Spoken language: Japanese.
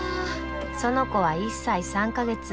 園子は１歳３か月。